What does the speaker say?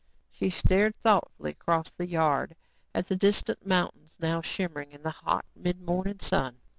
She stared thoughtfully across the yard at the distant mountains, now shimmering in the hot, midmorning sun.